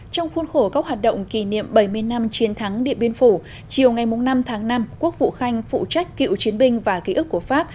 trong khuôn khổ các hoạt động kỷ niệm bảy mươi năm chiến thắng điện biên phủ chiều ngày năm tháng năm quốc vụ khanh phụ trách cựu chiến binh và ký ức của pháp